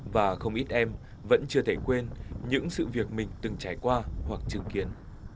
và không ít em vẫn chưa thể quên những sự việc mình từng trải qua hoặc chứng kiến